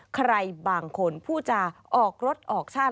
ใครบางคนผู้จะออกรถออกชาติ